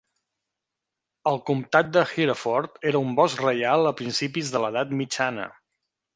El comptat de Hereford era un bosc reial a principis de l'Edat Mitjana.